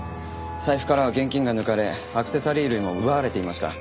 財布からは現金が抜かれアクセサリー類も奪われていました。